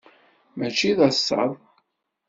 Mačči d asaḍ.